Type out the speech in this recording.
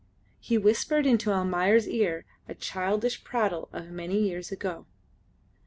He whispered into Almayer's ear a childish prattle of many years ago.